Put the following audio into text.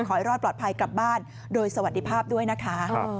ขอให้รอดปลอดภัยกลับบ้านโดยสวัสดีภาพด้วยนะคะ